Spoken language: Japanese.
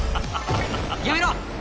やめろ！